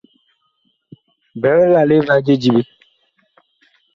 Biig lale va je diɓe.